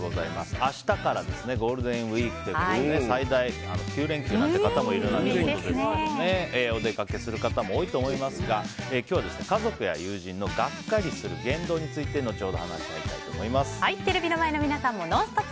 明日からゴールデンウィークということで最大９連休なんて方もいると思いますがお出かけする方も多いと思いますが今日は家族や友人のガッカリする言動についてテレビの前の皆さんもＮＯＮＳＴＯＰ！